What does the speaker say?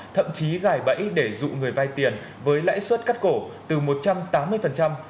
thậm chí gài bẫy để dụ người vai tiền với lãi suất cắt cổ từ một trăm tám mươi đến trên hai trăm linh một năm